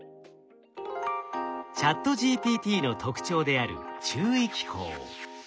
ＣｈａｔＧＰＴの特徴である注意機構。